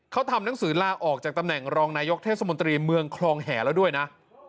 เขาทำหนังสือลาออกจากตำแหน่งรองนายกเทศมนตรีเมืองคลองแห่แล้วด้วยนะ